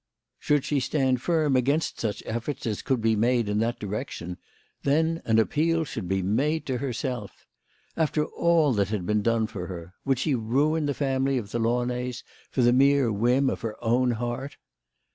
Should she stand firm 124 THE LADY OF LAUNAY. against such, efforts as could be made in that direction, then an appeal should be made to herself. After all that had been done for her, would she ruin the family of the Launays for the mere whim of her own heart